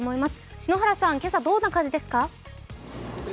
篠原さん、今朝どんな感じですか？